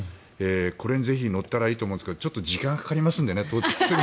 これにぜひ乗ったらいいと思うんですがちょっと時間がかかりますのでね。